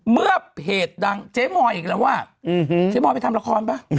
เพจดังเจ๊มอยอีกแล้วอ่ะเจ๊มอยไปทำละครป่ะ